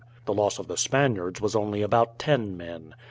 The loss of the Spaniards was only about ten men.